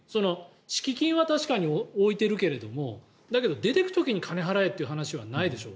敷金は確かに置いてるけれどもだけど出ていく時に金払えって話はないでしょ。